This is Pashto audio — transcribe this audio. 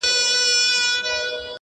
o ارمانه اوس درنه ښكلا وړي څوك،